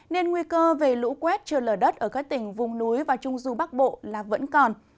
nên nguy cơ về lũ quét trưa lở đất ở các tỉnh vùng núi và trung du bắc bộ là vẫn còn